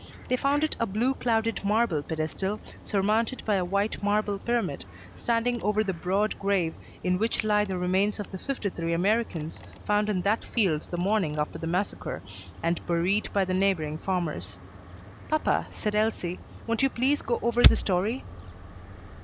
They found it a blue clouded marble pedestal, surmounted by a white marble pyramid, standing over the broad grave in which lie the remains of the fifty three Americans found in that field the morning after the massacre, and buried by the neighboring farmers. "Papa," said Elsie, "won't you please go over the story?"